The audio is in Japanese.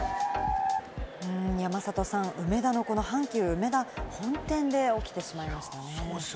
山里さん、梅田のこの阪急本店で起きてしまいましたね。